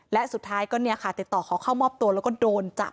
และสุดท้ายก็เนี่ยค่ะติดต่อขอเข้ามอบตัวแล้วก็โดนจับ